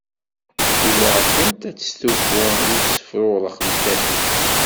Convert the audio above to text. Timmuɛfent ad testufu i usefrurex n tatut.